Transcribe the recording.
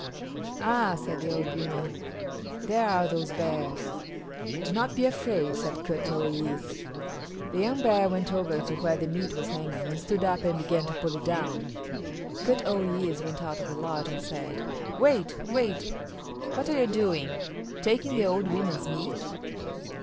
"Ah," said the old women, "there are those bears." "Do not be afraid," said Kut o yis´. The young bear went over to where the meat was hanging and stood up and began to pull it down. Kut o yis´ went out of the lodge and said, "Wait; wait! What are you doing, taking the old women's meat?"